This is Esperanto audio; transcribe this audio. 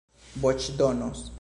voĉdonos